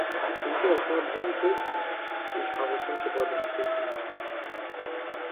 Икӏи а хабзэм тетт и щхьэгъусэм щыбгъэдэмысыжми.